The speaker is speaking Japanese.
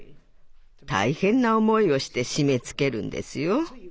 大変な思いをして締めつけるんですよ。